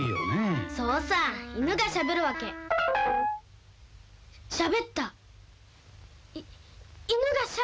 「そうさ犬がしゃべるわけ」「しゃべった」「犬がしゃべった！」